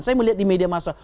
saya melihat di media masa